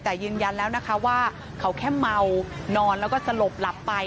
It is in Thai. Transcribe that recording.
แต่ยืนยันแล้วนะคะว่าเขาแค่เมานอนแล้วก็สลบหลับไป